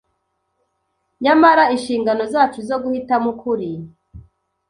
nyamara 'inshingano zacu zo guhitamo ukuri